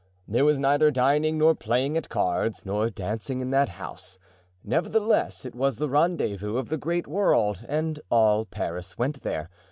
There was neither dining, nor playing at cards, nor dancing in that house. Nevertheless, it was the rendezvous of the great world and all Paris went there.